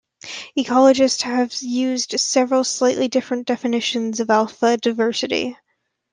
Ecologists have used several slightly different definitions of alpha diversity.